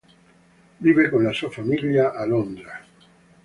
Vive con la sua famiglia a Londra.